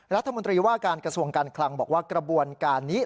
รัฐมนตรีว่าการกระทรวงการคลังบอกว่ากระบวนการนี้